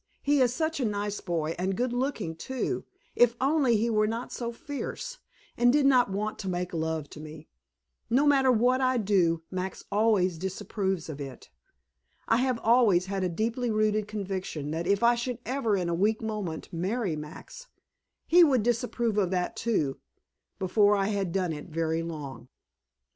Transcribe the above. He is such a nice boy, and good looking, too, if only he were not so fierce, and did not want to make love to me. No matter what I do, Max always disapproves of it. I have always had a deeply rooted conviction that if I should ever in a weak moment marry Max, he would disapprove of that, too, before I had done it very long.